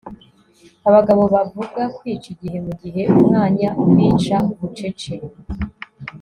abagabo bavuga kwica igihe, mu gihe umwanya ubica bucece